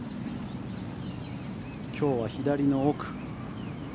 今日は左の奥。